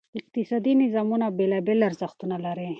اقتصادي نظامونه بېلابېل ارزښتونه لري.